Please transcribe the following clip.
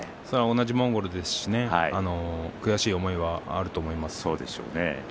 同じモンゴルですし悔しい思いはあると思います。